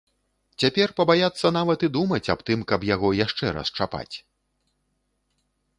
Цяпер пабаяцца нават і думаць аб тым, каб яго яшчэ раз чапаць.